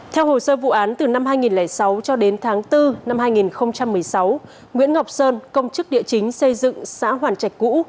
theo hồ sơ vụ án từ năm hai nghìn sáu cho đến tháng bốn năm hai nghìn một mươi sáu nguyễn ngọc sơn công chức địa chính xây dựng xã hoàn trạch cũ